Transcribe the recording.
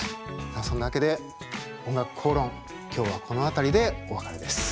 そんなわけで「おんがくこうろん」今日はこの辺りでお別れです。